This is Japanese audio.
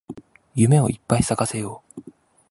夢をいっぱい咲かせよう